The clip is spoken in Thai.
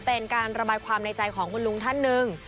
เป็นการระบายความในใจของคุณลุงท่านหนึ่ง